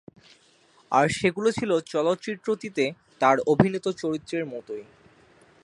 আর সেগুলো ছিলো চলচ্চিত্রটিতে তার অভিনীত চরিত্রের মতোই।